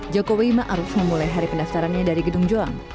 jokowi ma'ruf memulai hari pendaftarannya dari gedung joang